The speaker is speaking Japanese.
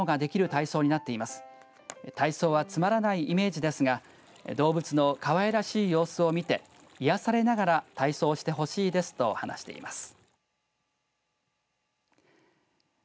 体操はつまらないイメージですが動物のかわいらしい様子を見て癒やされながら体操してほしいですと話しています。